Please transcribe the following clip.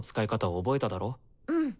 うん。